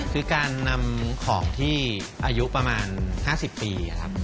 คือการนำของที่อายุประมาณ๕๐ปีครับ